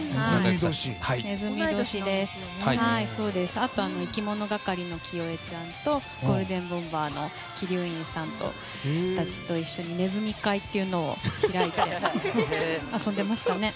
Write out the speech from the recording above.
あと、いきものがかりの聖恵ちゃんとゴールデンボンバーの鬼龍院さんたちと一緒にねずみ会というのを開いて遊んでましたね。